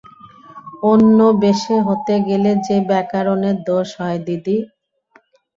অন্য বেশে হতে গেলে যে ব্যাকরণের দোষ হয় দিদি!